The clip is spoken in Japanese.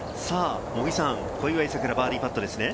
小祝さくら、バーディーパットですね。